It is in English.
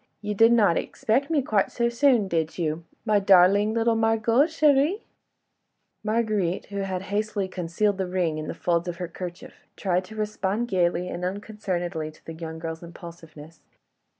You did not expect me quite so soon, did you, my darling little Margot chérie?" Marguerite, who had hastily concealed the ring in the folds of her kerchief, tried to respond gaily and unconcernedly to the young girl's impulsiveness.